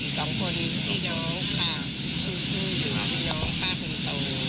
สองคนที่น้องค่ะสู้อยู่ที่น้องค่ะคนโต